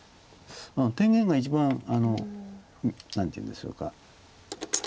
うん天元が一番何ていうんでしょうか。